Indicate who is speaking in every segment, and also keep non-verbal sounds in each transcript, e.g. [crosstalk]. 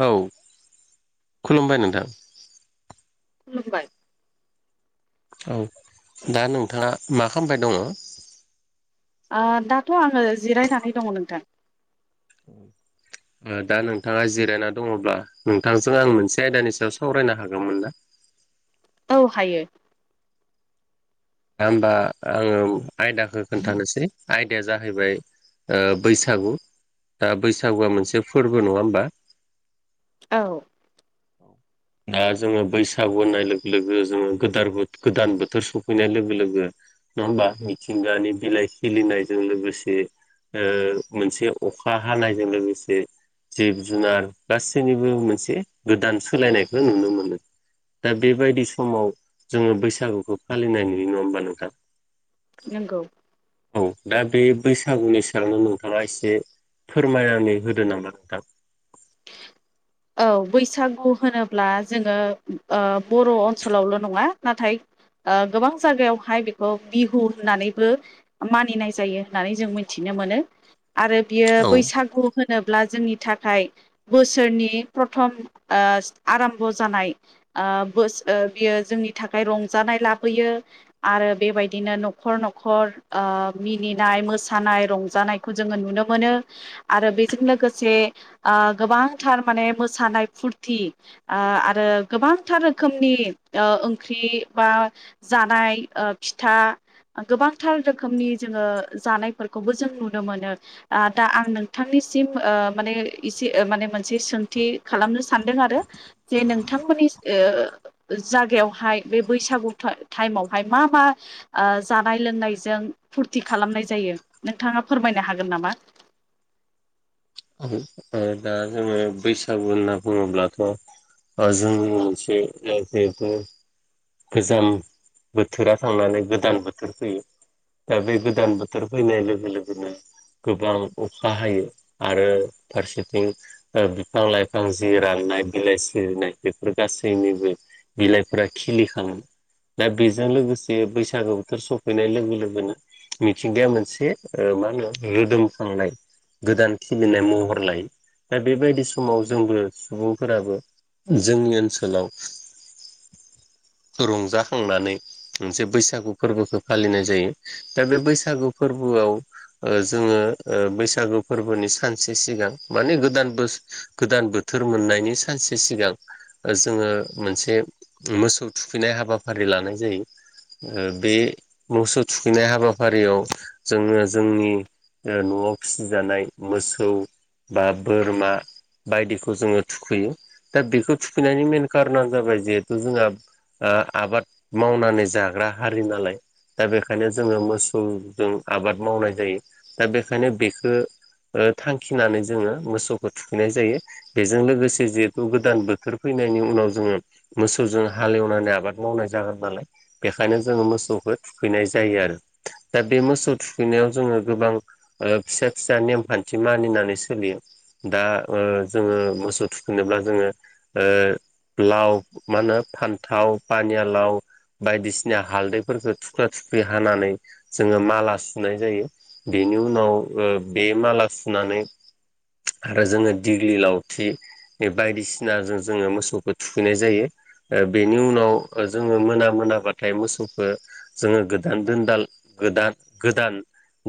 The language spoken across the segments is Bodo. Speaker 1: हेलौ औ खुलुमबाय नोंथां
Speaker 2: खुलुमबाय
Speaker 1: औ दा नोंथाङा मा खालामबाय दङ
Speaker 2: दाथ आङो जिरायनानै दङ नोंथां
Speaker 1: औ दा नोंथाङा जिरायना दङब्ला नोंथांजों आं मोनसे आयदानि सायाव सावरायनो हागौमोन ना [inaudible]
Speaker 2: औ हायो
Speaker 1: दा होमबा आङो आयदाखौ खोन्थानोसै आयदाया जाहैबाय बैसागु दा बैसागुआ मोनसे फोरबो नङा होमबा
Speaker 2: औ
Speaker 1: औ दा जोङो बैसागु होननाय लोगो लोगो जोङो गोद गोदान बोथोर सफैनाय लोगो लोगो नङा होमबा मिथिंगानि बिलाइ खिलिनायजों लोगोसे मोनसे अखा हानायजों लोगोसे जिब जुनार गासैनिबो मोनसे गोदान सोलायनायखौ नुनो मोनो दा बेबायदि समाव जोङो बैसागुखौ फालि न नङा हबा नोंथां
Speaker 2: नंगौ
Speaker 1: औ दा बे बैसागुनि सेरांनो नोंथाङा एसे फोरमायनानै होदो नामा नोंथां
Speaker 2: औ बैसागु होनोब्ला जोङो बर' ओनसोलावल' नङा नाथाय गोबां जायगायावहाय बेखौ बिहु होननानैबो मानिनाय जायो होननानै जों मिथिनो मोन आरो बियो
Speaker 1: औ
Speaker 2: बैसागु होनोब्ला जोंनि थाखाय बोसोरनि प्रथम आराम्भ जानाय बस बियो जोंनि थाखाय रंजानाय आरो बेबायदिनो न'खर न'खर मिनिनाय मोसानाय रंजानायखौ जोङो नुनो मोनो आरो बेजों लोगोसे गोबांथार माने मोसानाय फुरथि आरो गोबांथार रोखोमनि ओंख्रि बा जानाय फिथा गोबांथार रोखोमनि जोङो जानायफोरखौबो जों नुनो मोनो दा आं नोंथांनि मानसे माने मोनसे खालामनो सानदों आरो जे नोंथांमोननि जागायावहाय बे बैसाग बैसागु टायमहाय मा मा जानाय लोंनायजों फुरथि खालामनाय जायो नोंथांङा फोरमायनो हागोन नामा
Speaker 1: दा जोंङो बैसागु होनना बुङोब्लाथ' जोंनि मोनसे बेखौ गोजां बोथोरा थांनानै गोदान बोथोर फैयो। दा बे गोदान बोथोर फैनाय लोगो लोगोनो गोबां अखा हायो आरो फारसेथिं बिफां लाइफां जि राननाय बिलाइ सिरिनाय बेफोर गासैबो जोंनि बे बिलाइफोरा खिलिखांयो दा बेजों लोगोसे बैसागो बोथोर सफैनाय लोगो लोगोनो मिथिंगाया मोनसे मा होनो रोदोमखांनाय गोदान खिलिनाय महर लायो दा बेबायदि समाव जोंबो सुबुंफोराबो जोंनि ओनसोलाव रंजाखांनानै मोनसे बैसागु फोरबोखौ फालिनाय जायो दा बे बैसागु फोरबो फोर जोंङो बैसागु फोरबोनि सानसे सिगां माने गोदान बोसोर गोदान बोथोर मोननायनि सानसे सिगां जोङो मोनसे मोसौ थुखैनाय हाबाफारि लानाय जायो। बे मोसौ थुखैनाय हाबाफारियाव जोंङो जोंनि न'आव फिसिजानाय मोसौ बा बोरमा बायदिखौ जोंङो थुखैयो दा बेखौ थुखैनायनि मेन कारना जाबाय जिहेथु जोंहा आबाद मावनानै जाग्रा हारि नालाय दा बेखायनो जोंङो मोसौजों आबाद मावनाय जायो दा बेखायनो बेखौ थांखिनानै जोंङो मोसौखौ थुखैनाय जायो बेजों लोगोसे जिहेतु गोदान बोथोर फैनायनि नि उनाव जोंङो मोसौजों हालेवनानै आबाद मावनाय जागोन नालाय बेखायनो जोंङो मोसौखौ थुखैनाय जायो आरो दा बे मोसौ थुखैनायाव जोंङो गोबां फिसा फिसा नेमखा न्थि मानिनानै सोलियो दा जोंङो मोसौ थुखैनोब्ला जोंङो ओ लाव मा होनो फान्थाव पानियालाव बायदिसिना हालदैफोरखौ थुख्रा थु ख्रि हानानै जोंङो माला सुनाय जायो बेनि उनाव बे माला सुनानै आरो जोंङो दिग्लि लावथि बायदिसिनाजों जोंङो मोसौखौ थुखैनाय जायो बेनि उनाव जोंङो मोना मोनाबाथाय मोसौखौ जोंङो गोदान दोनदाल गोदान गोदान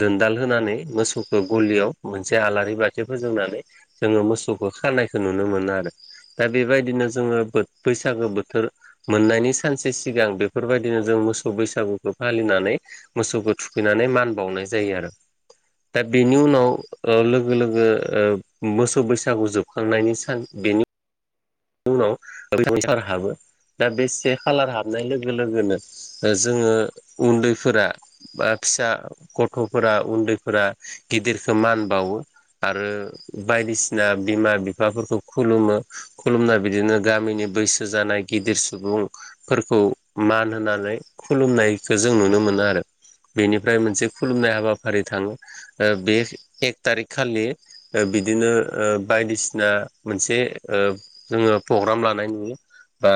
Speaker 1: दोनदाल होनानै मोसौखौ गलियाव मोनसे आलारि बाथि फोजोंनानै जोंङो मोसौखौ खानायखौ नुनो मोनो आरो दा बेबायदिनो जोंङो बैसागो बोथोर मोननायनि सानसे सिगां बेफोरबायदिनो जों मोसौ बैसागुखौ फालिनानै मोसौखौ थुखैनानै मान बावनाय जायो आरो दा बेनि उनाव लोगो लोगो मोसौ बैसागु जोबखांनायनि सान बेनि नि उनाव ओरै सार हाबो दा बे से खालार हाबनाय लोगो लोगोनो जोंङो उन्दैफोरा बा फिसा गथ'फोरा उन्दैफोरा गिदिरखौ मान बावो आरो बायदिसिना बिमा बिफाफोरखौ खुलुमो खुलुमनाय बिदिनो गामिनि बैसो जानाय गिदिर सुबुंफोरखौ मान होनानै खुलुमनायखौ जों नुनो मोनो आरो बेनिफ्राय मोनसे खुलुमनाय हाबाफारि थाङो बे एक थारिक खालि बिदिनो बायदिसिना मोनसे जोंङो प्रग्राम लानाय नुयो बा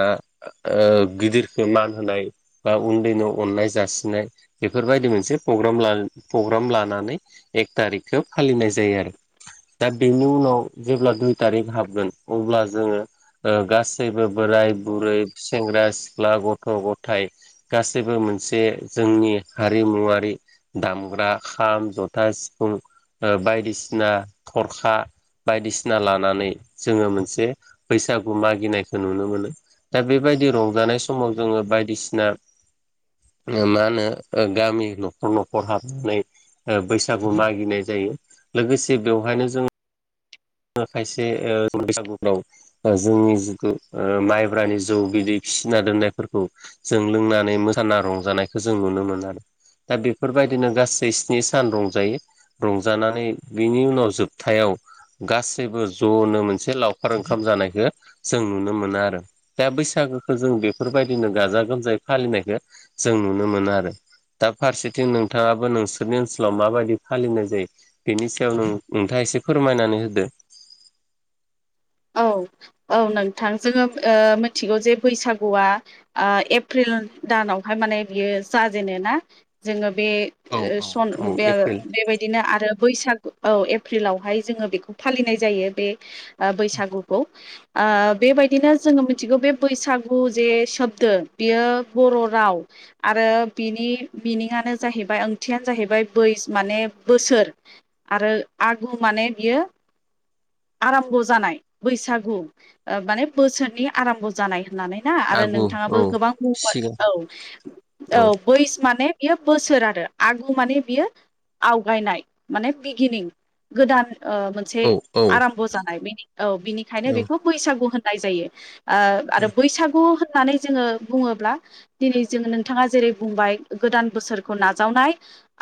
Speaker 1: ओ गिदिरखौ मान होनाय बा उन्दैनो अननाय जासिनाय बे फोरबायदि मोनसे प्रग्रा प्रग्राम लानानै एक थारिखखौ फालिनाय जायो आरो दा बेनि उनाव जेब्ला दुइ थारिख हाबगोन अब्ला जोंङो गासैबो बोराय बुरै सेंग्रा सिख्ला गथ' गथाय गासैबो मोनसे जोंनि हारिमुवारि दामग्रा खाम जथा सिफुं बायदिसिना थरखा बायदिसिना लानानै जोङो मोनसे बैसागु मागिनायखौ नुनो मोनो दा बेबायदि रंजानाय समाव जोङो बायदिसिना मा होनो गामि ओ न'खर न'खर हाबनानै बैसागु मागिनाय जायो लोगोसे बेवहायनो जों खायसे ओ बैसागुफ्राव जोंनि जिथु ओ माइब्रानि जौ बिदै फिसिना दोननायफोरखौ जों लोंनानै मोसाना रंजानायखौ जों नुनो मोनो आरो दा बेफोरबायदिनो गासै स्नि सान रंजायो रंजानानै बिनि उनाव जोबथायाव गासैबो ज'नो मोनसे लावखार ओंखाम जानायखौ जों नुनो मोनो आरो दा बैसागो खौ जों बेफोरबायदिनो गाजा गोमजायै फालिनायखौ जों नुनो मोनो आरो दा फारसेथिं नोंथाङाबो नोंसोरनि ओनसोलाव माबायदि फालिनाय जायो बेनि सायाव नोंथां एसे फोरमायनानै होदो
Speaker 2: औ औ नोंथां जोङो ओ मिथिगौ जे बैसागुआ एप्रिल जुन दानावहाय माने बियो जाजेनो ना जोङो बे ओ सन
Speaker 1: औ
Speaker 2: बे
Speaker 1: एप्रिल
Speaker 2: बेबायदिनो आरो बैसागु औ एप्रिलावहाय जोङो बेखौ फालिनाय जायो बे बैसागु बैसागुखौ ओ बेबायदिनो जोङो मिथिगौ बे बैसागु जे सब्दो बियो बर' राव आरो बिनि मिनिङानो जाहैबाय ओंथियानो जाहैबाय बै माने बोसोर आरो आगु माने बियो
Speaker 1: [inaudible]
Speaker 2: आराम्भ' जानाय बैसागु माने बोसोरनि आरम्भ' जानाय होननानै ना आरो
Speaker 1: आगु औ
Speaker 2: नोंथाङाबो गोबां बुंबाय
Speaker 1: सिगां
Speaker 2: औ औ बै माने बेयो बोसोर आरो आगु माने बियो आवगायनाय माने बिगिनिं गोदान ओ मोनसे
Speaker 1: औ
Speaker 2: आराम्भ' जानायनि औ बिनिखायनो
Speaker 1: औ
Speaker 2: बेखौ बैसागु होननाय जायो आरो बैसागु होन नानै जोङो बुङोब्ला दिनै जोङो नोंथाङा जेरै बुंबाय गोदान बोसोरखौ नाजावनाय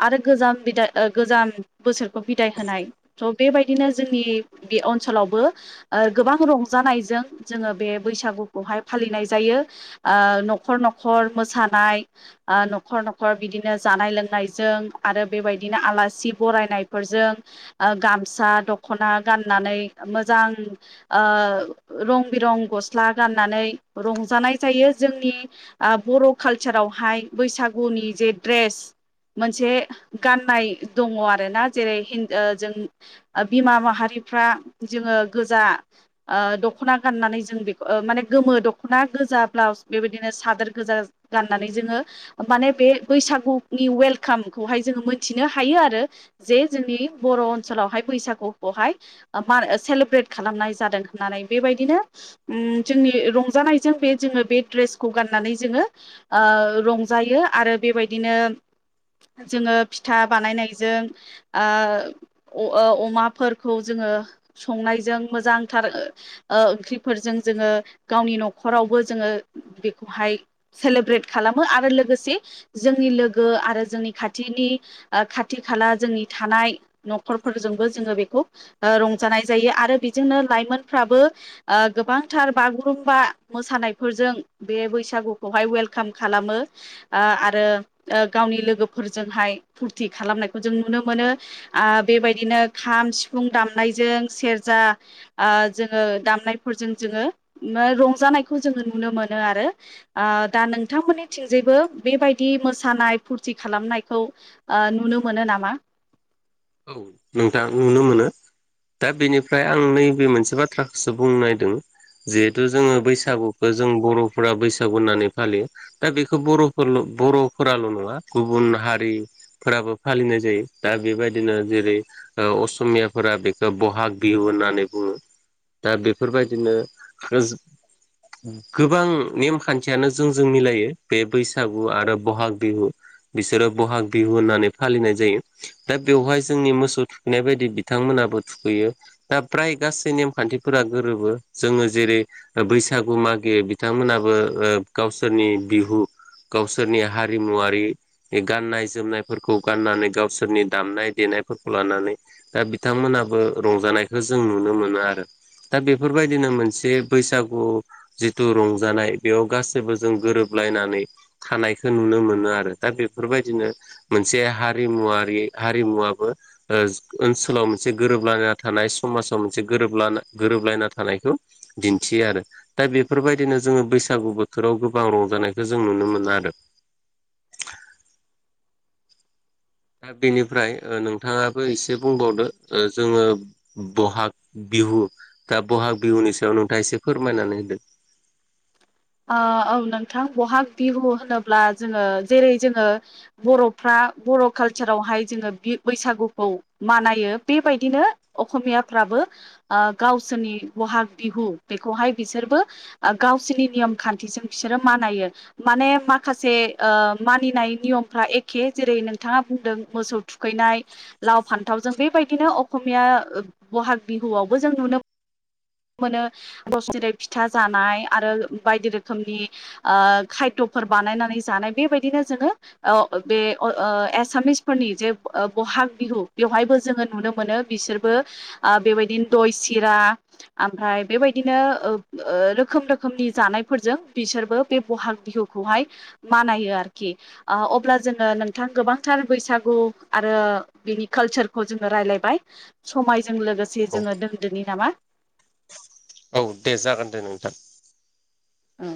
Speaker 2: आरो गोजाम बिदाइ गोजाम बोसोर खौ बिदाइ होनाय थ' बेबायदिनो जोंनि बे ओनसोलावबो ओ गोबां रंजानायजों जोङो बे बैसागुखौहाय फालिनाय जायो ओ न'खर न'खर मोसानाय न'खर न'खर बिदिनो जानाय लोंनायजों आरो बेबाय दिनो आलासि बरायनायफोरजों ओ गामसा दख'ना गाननानै मो जां ओ रं बिरं गस्ला गाननानै रंजानाय जायो जोंनि बर' कालसारावहाय बैसागुनि जे ड्रेस मोनसे गाननाय दङ आरोना जेरै हिन ओ जों बिमा माहारि फ्रा जोङो गोजा ओ दख'ना गाननानै जों बेखौ माने गोमो दख'ना गोजा ब्लाउस बेबायदिनो सादोर गोजा गाननानै जोङो माने बे बैसागुनि वेलकामखौहाय जों जोङो मिथिनो हायो आरो जे जोंनि बर' ओनसोलावहाय बैसागुखौहाय मा सेलेब्रेट खालामनाय जादों होननानै बेबायदिनो जोंनि रंजानायजों बे जोङो बे द्रेसखौ गाननानै जोङो रंजायो आरो बेबायदिनो जोङो फिथा बानायनायजों ओ अमाफोरखौ जोङो संनायजों मोजांथार ओ ओंख्रिफोरजों जोङो गावनि न'खरावबो जोङो बेखौहाय सेलेब्रेट खालामो आरो लोगोसे जोंनि लोगो आरो जोंनि खाथि नि खाथि खाला जोंनि थानाय न'खरफोरजोंबो जोङो बेखौ ओ रं जानाय जायो आरो बेजोंनो लाइमोनफ्राबो ओ गोबांथार बागुरुम्बा मोसानायफोर जों बे बैसागुखौहाय वेलकाम खालामो ओ आरो गावनि लोगोफोरजों हाय फुरति खालामनायखौ जों नुनो मोनो ओ बेबायदिनो खाम सिफुं दाम दामनायजों सेरजा ओ जोङो दामनायफोरजों जोङो रंजानायखौ जों नुनो मोनो आरो ओ दा नोंथांमोननि थिंजायबो बेबायदि मोसानाय फुरथि खालाम खालामनायखौ ओ नुनो मोनो नामा
Speaker 1: औ नोंथां नुनो मोनो दा बेनिफ्राय आं नैबे मोनसे बाथ्राखौसो बुंनो नागिरदों जिहेथु जोङो बैसागुखौ जों बर'फोरा बैसागु होननानै फालियो दा बेखौ बर'फोरल बर'फोराल नङा गुबुन हारिफोराबो फालिनाय जायो दा बेबाय दिनो जेरै असमियाफोरा बेखौ बहाग बिहु होननानै बुङो दा बेफोरबायदिनो गोबां नेमखान्थियानो जोंजों मिलायो बे बैसागु आरो बहाग बिहु बिसोरो बहाग बिहु होननानै फालिनाय जायो दा बेवहाय जोंनि मोसौ थुखैनाय बायदि बिथांमोनाबो थुखैयो दा फ्राय गासै नेमखान्थिफोरा गो फोरबो जोङो जेरै बैसागु मागियो बिथांमोनाबो गावसोरनि बिहु गावसोरनि हारिमुवारि गाननाय जोमनायफोरखौ गाननानै गावसोरनि दामनाय देनायफोरखौ लानानै दा बिथांमोनाबो रंजानायखौ जों नुनो मोनो आरो दा बेफोरबायदिनो मोनसे बैसागु जिथु रंजानाय बेयाव गासैबो जों गोरोब अनलायनानै थानायखौ नुनो मोनो आरो दा बेफोरबायदिनो मोनसे हारिमुवारि हारिमुवाबबो ओनसोलाव मोनसे गोरोबलाना थानाय समाजाव मोनसे गोरोबला गोरोब गोरोबलायना थानायखौ दिन्थियो आरो दा बेफोरबायदिनो जोङो बैसागु बोथोराव गोबां रंजानाय जों नुनो मोनो आरो दा बेनिफ्राय नोंथाङाबो एसे बुंबावदो जोङो बहाग बिहु दा बहाग बिहुनि सायाव नोंथाङा एसे फोरमायनानै होदों
Speaker 2: औ नोंथां बहाग बिहु होनोब्ला जोङो जेरै जोङो बर'फ्रा बर' कालचारावहाय जोङो बैसागुखौ मानायो बेबायदिनो असमियाफ्रा ब्रांडों ओ गावसोरनि बहाग बिहु बेखौहाय बिसोरबो गावसोरनि नियम खान्थिजों बिसोरो मानायो माने माखासे मानिनाय नियमफ्रा एखे जेरै नोंथाङा बुंदों मोसौ थुखैनाय लाव फान्थावजों बेबायदिनो अकमिया बहाग बिहुआवबो जों नुनो
Speaker 1: [inaudible]
Speaker 2: मोनो बोसोरै फिथा जानाय आरो बायदि रोखोमनि आ खायद फोर बानायनानै जानाय बेबायदिनो जोङो बे आसामिसफोरनि जे बहाग बिहु बेवहायबो जोङो नुनो मोनो बिसोरबो आ बेबायदिनो दय सिरा ओमफ्राय बेबायदिनो रोखोम रोखोमनि जानायफोरजों बिसोरबो बे बहाग बिहु खौहाय मानायो आरोखि अब्ला जोङो नोंथां गोबांथार बैसागु आरो बिनि कालसारखौ जोङो रायज्लायबाय समायजों लोगोसे
Speaker 1: औ
Speaker 2: जोङो दोनदोनि नामा
Speaker 1: औ दे जागोन दे नोंथां
Speaker 2: औ